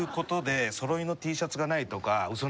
わいそろいのＴシャツがないさかいに